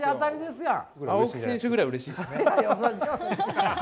青木選手ぐらいうれしいですね。